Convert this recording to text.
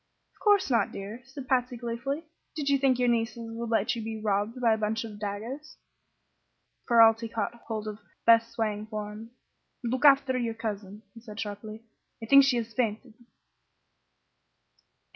"Of course not, dear," said Patsy, gleefully. "Did you think your nieces would let you be robbed by a bunch of dagoes?" Ferralti caught hold of Beth's swaying form. "Look after your cousin," he said, sharply. "I think she has fainted!"